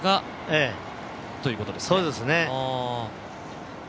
そうですね。